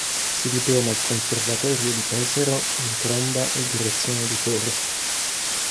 Si diploma al Conservatorio di Pesaro in tromba e direzione di coro.